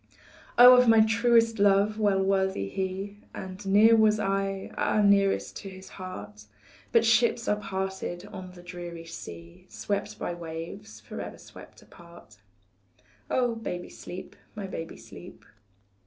Oh, of my truest love well worthy he, And near was I, ah, nearest to his heart; But ships are parted on the dreary sea Swept by the waves, forever swept apart Oh, baby, sleep, my baby, sleep.